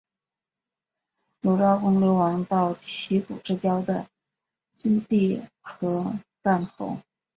鲁昭公流亡到齐鲁之交的郓地和干侯。